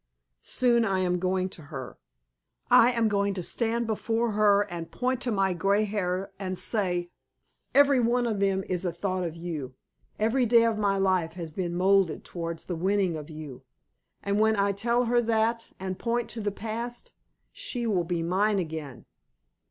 Soon I am going to her. I am going to stand before her and point to my grey hairs, and say, 'Every one of them is a thought of you; every day of my life has been moulded towards the winning of you.' And when I tell her that, and point to the past, she will be mine again."